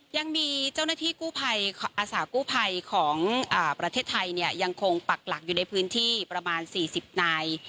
ยังมีเจ้าหน้าที่กู้ภัยอาสากู้ภัยของประเทศไทยเนี่ยยังคงปักหลักอยู่ในพื้นที่ประมาณ๔๐นาย